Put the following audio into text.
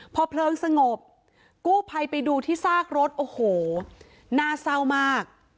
พอเพลิงสงบกู้ภัยไปดูที่ซากรถโอ้โหน่าเศร้ามาก